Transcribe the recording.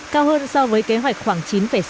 cao hơn so với kế hoạch khoảng chín sáu